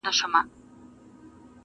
په ژړا ژړا یې وایستم له ښاره؛